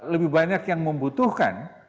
lebih banyak yang membutuhkan